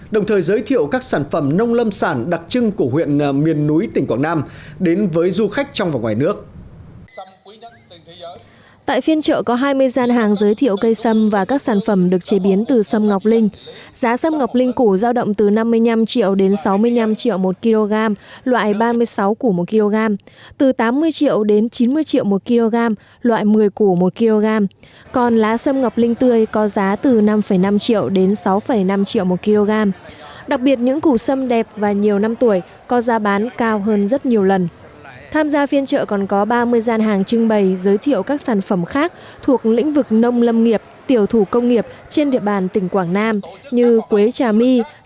đồng thời giới thiệu các sản phẩm nông lâm sản đặc trưng của huyện miền núi tỉnh quảng nam